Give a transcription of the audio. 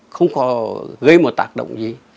không có gây một tác động gì